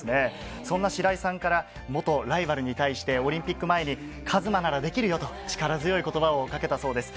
そんな白井さんから元ライバルに対してオリンピック前に、和磨ならできるよと力強い言葉をかけたそうです。